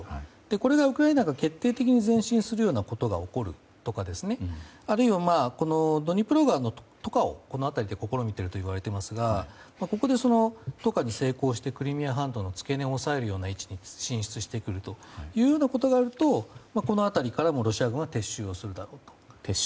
これがウクライナが決定的に前進するようなことが起こるとかあるいはドニプロ川の渡河を試みているといわれていますがここで渡河に成功して進出してくるようなことがあるとこの辺りからもロシア軍は撤収するだろうと。